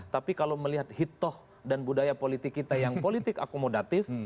tapi kalau melihat hitoh dan budaya politik kita yang politik akomodatif